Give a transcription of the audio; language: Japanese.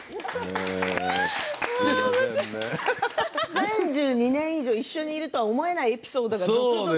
３２年以上一緒にいると思えないエピソード。